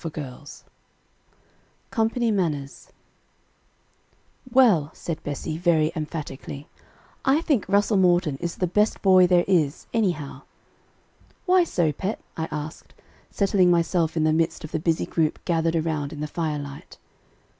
COMPANY MANNERS "Well," said Bessie, very emphatically, "I think Russel Morton is the best boy there is, anyhow." "Why so, pet?" I asked, settling myself in the midst of the busy group gathered around in the firelight.